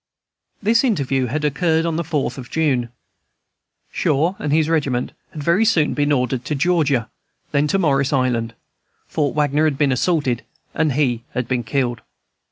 This interview had occurred on the 4th of June. Shaw and his regiment had very soon been ordered to Georgia, then to Morris Island; Fort Wagner had been assaulted, and he had been killed.